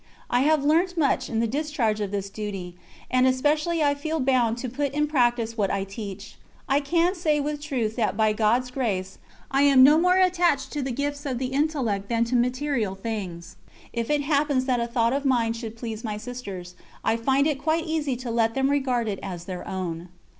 I have learnt much in the discharge of this duty, and especially I feel bound to put in practice what I teach. I can say with truth that by God's grace I am no more attached to the gifts of the intellect than to material things. If it happens that a thought of mine should please my Sisters, I find it quite easy to let them regard it as their own.